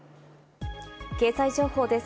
経済情報です。